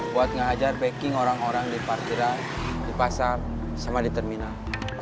buat ngajar backing orang orang di parkiran di pasar sama di terminal